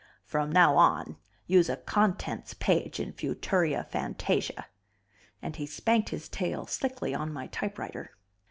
From now on use a contents page in Futuria Fantasia." And he spanked his tail slickly on my typewriter.